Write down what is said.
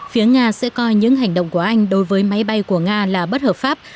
phía nga sẽ coi những hành động của anh đối với máy bay của nga là bất hợp pháp